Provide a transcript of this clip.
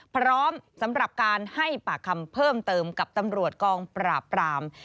พร้อมสำหรับการให้ปากคำเพิ่มเติมกับตำรวจกองปราบปราม